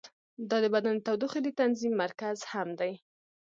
دا د بدن د تودوخې د تنظیم مرکز هم دی.